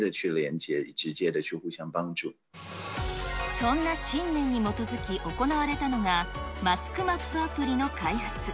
そんな信念に基づき行われたのが、マスクマップアプリの開発。